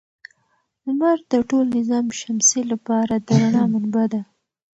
لمر د ټول نظام شمسي لپاره د رڼا منبع ده.